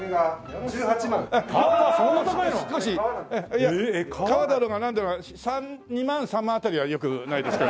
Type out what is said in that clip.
いや革だろうがなんだろうが２万３万辺りはよくないですか？